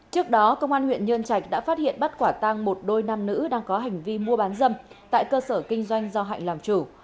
trước đó công an huyện nhân trạch đã phát hiện bắt quả tăng một đôi nam nữ đang có hành vi mua bán dâm tại cơ sở kinh doanh do hạnh làm chủ